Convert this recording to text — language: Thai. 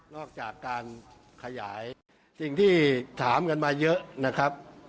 อกจากการขยายสิ่งที่ถามกันมาเยอะนะครับ